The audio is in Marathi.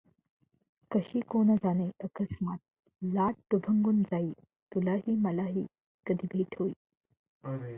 कशी कोण जाणे अकस्मात लाट दुभंगून जाई तुलाही मलाही कधी भेट होई?